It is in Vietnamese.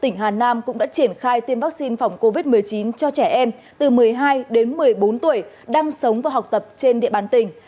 tỉnh hà nam cũng đã triển khai tiêm vaccine phòng covid một mươi chín cho trẻ em từ một mươi hai đến một mươi bốn tuổi đang sống và học tập trên địa bàn tỉnh